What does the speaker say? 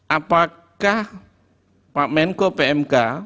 apakah pak menko pmk